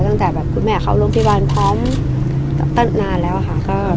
ตั้งแต่แบบคุณแม่เข้าโรงพยาบาลพร้อมตั้งนานแล้วค่ะ